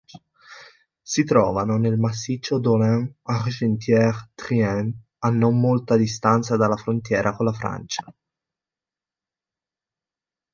Si trovano nel Massiccio Dolent-Argentière-Trient a non molta distanza dalla frontiera con la Francia.